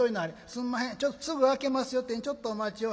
「すんまへんすぐ開けますよってにちょっとお待ちを。